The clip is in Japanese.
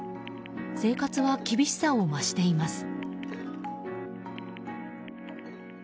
生活は厳しさを増しています。